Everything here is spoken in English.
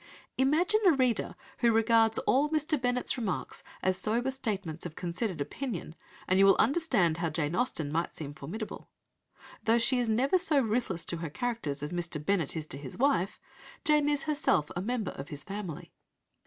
Imagine a reader who regards all Mr. Bennet's remarks as sober statements of considered opinion, and you will understand how Jane Austen might seem formidable. Though she is never so ruthless to her characters as Mr. Bennet is to his wife, Jane is herself a member of his family.